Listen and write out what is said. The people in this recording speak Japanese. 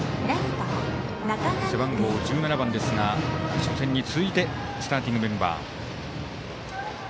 背番号１７番ですが初戦に続いてスターティングメンバー。